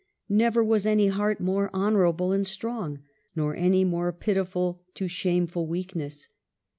Never was any heart more honorable and strong, nor any more pitiful to shameful weakness.